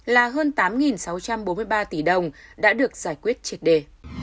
là hơn tám sáu trăm bốn mươi ba tỷ đồng đã được giải quyết triệt đề